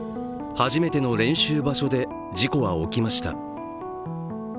初めての練習場所で、事故は起きました。